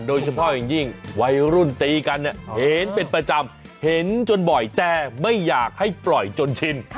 โดยเฉพาะอย่างยิ่งวัยรุ่นตีกันเนี่ยเห็นเป็นประจำเห็นจนบ่อยแต่ไม่อยากให้ปล่อยจนชิน